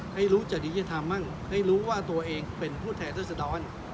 ให้รู้จริยธรรมมั่งให้รู้ว่าตัวเองเป็นผู้แทนรัศดร